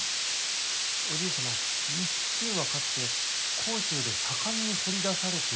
おじい様金はかつて甲州で盛んに掘り出されていたとか。